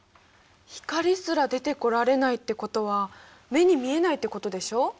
光すら出てこられないってことは目に見えないってことでしょう。